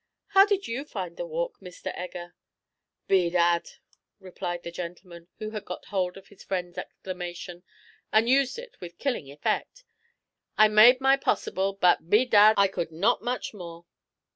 "How did you find the walk, Mr. Egger?" "Bedad," replied that gentleman, who had got hold of his friend's exclamation, and used it with killing effect; "I made my possible, but, bedad, I could not much more."